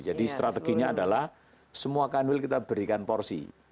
jadi strateginya adalah semua kanwil kita berikan porsi